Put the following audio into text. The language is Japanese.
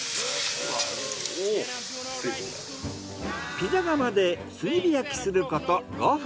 ピザ窯で炭火焼きすること５分。